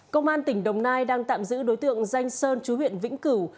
công an tỉnh đồng nai đang tạm giữ đối tượng danh sơn chú huyện vĩnh cửu